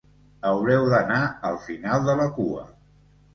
Haureu d'anar al final de la cua.